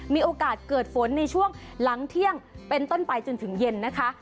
มีโอกาสเกิดฝนในช่วงหลังเที่ยงเป็นต้นไปจนถึงเย็นนะคะ